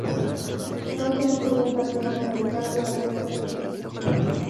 No se amplió el patrimonio natural de la Unión Europea.